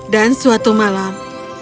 dan suatu malam